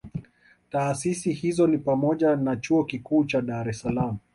Taasisi hizo ni pamoja na Chuo Kikuu cha Dar es salaam